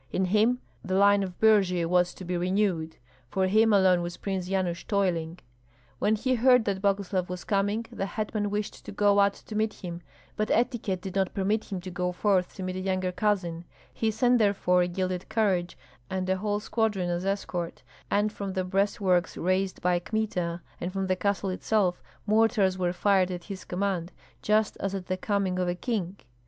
In him the line of Birji was to be renewed, for him alone was Prince Yanush toiling. When he heard that Boguslav was coming, the hetman wished to go out to meet him, but etiquette did not permit him to go forth to meet a younger cousin; he sent therefore a gilded carriage, and a whole squadron as escort, and from the breastworks raised by Kmita and from the castle itself mortars were fired at his command, just as at the coming of a king.